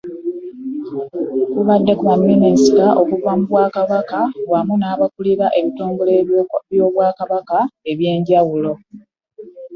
Kubaddeko baminisita okuva mu Bwakabaka wamu n'abakulira ebitongole by'Obwakabaka ebyenjawulo.